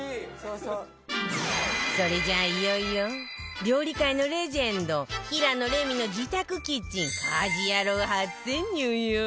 それじゃあいよいよ料理界のレジェンド平野レミの自宅キッチン『家事ヤロウ！！！』初潜入よ